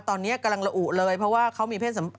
ตอนนี้กำลังระอุเลยเพราะว่าเขามีเพศสัม